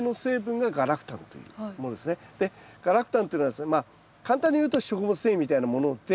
でガラクタンというのはですねまあ簡単に言うと食物繊維みたいなもので。